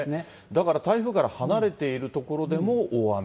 だから台風から離れている所でも大雨。